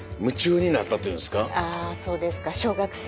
ああそうですか小学生。